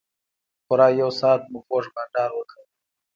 پوره یو ساعت مو خوږ بنډار وکړ.